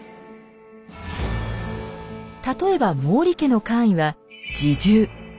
例えば毛利家の官位は「侍従」。